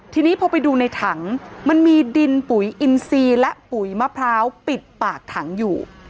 ทีนี้พอไปดูในถังมันมีดินปุ๋ยอินซีและปุ๋ยมะพร้าวปิดปากถังอยู่